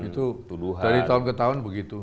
itu dari tahun ke tahun begitu